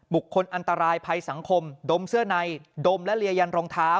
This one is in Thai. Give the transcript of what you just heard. อันตรายภัยสังคมดมเสื้อในดมและเลียันรองเท้า